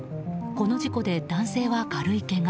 この事故で男性は軽いけが。